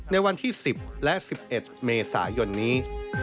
ในวันที่๑๐และ๑๑เมษายนนี้